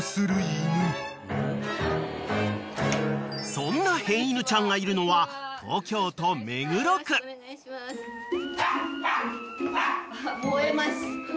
［そんな変犬ちゃんがいるのは東京都目黒区］吠えます。